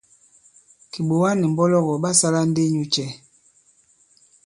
Kìɓòga nì mbɔlɔgɔ̀ ɓa sālā ndi inyū cɛ̄ ?